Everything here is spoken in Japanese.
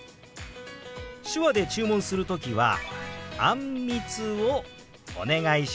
手話で注文する時は「あんみつをお願いします」と表現します。